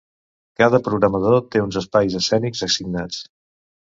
Cada programador té uns espais escènics assignats.